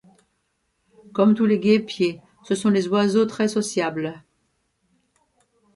Comme tous les guêpiers, ce sont des oiseaux très sociables.